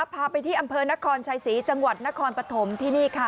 พาไปที่อำเภอนครชัยศรีจังหวัดนครปฐมที่นี่ค่ะ